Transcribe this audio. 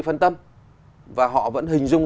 phân tâm và họ vẫn hình dung